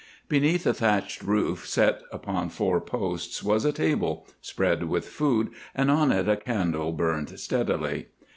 Beneath a thatched roof set upon four posts was a table, spread with food, and on it a candle burned steadily.